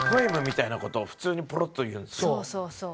そうそうそう。